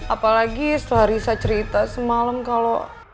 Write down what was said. apalagi setelah risa cerita semalam kalau